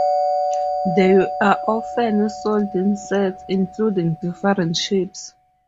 They are often sold in sets, including different shapes.